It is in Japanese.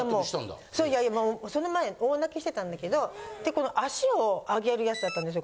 いやいやその前大泣きしてたんだけどでこの足を上げるやつだったんですよ。